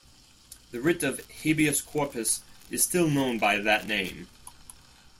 The writ of "habeas corpus" is still known by that name.